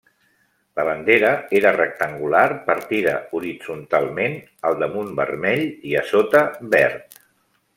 La bandera era rectangular partida horitzontalment, al damunt vermell i a sota verd.